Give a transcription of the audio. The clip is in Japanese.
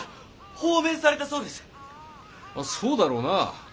そうだろうな。